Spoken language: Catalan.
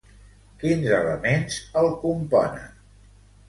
Quins elements el componen?